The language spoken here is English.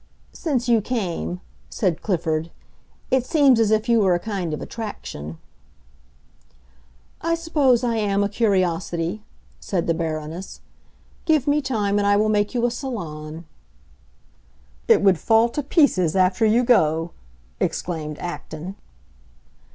"Since you came," said Clifford. "It seems as if you were a kind of attraction." "I suppose I am a curiosity," said the Baroness. "Give me time and I will make you a salon." "It would fall to pieces after you go!" exclaimed Acton.